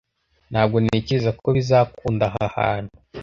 Ntabwo ntekereza ko bizakunda aha hantu.